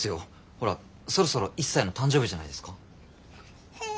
ほらそろそろ１歳の誕生日じゃないですか？